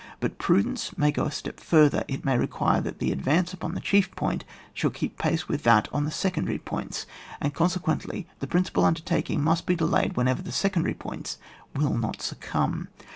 But prudence may go a step further ; it may require that the advance upon the chief point shall keep pace with that on the secondary points, and con sequently the principal undertaking must be delayed whenever the secondary points will not succumb.